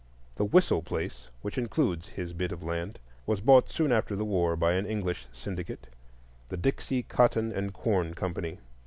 The Whistle place, which includes his bit of land, was bought soon after the war by an English syndicate, the "Dixie Cotton and Corn Company."